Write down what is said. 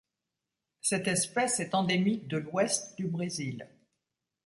Cette espèce est endémique de l'Ouest du Brésil.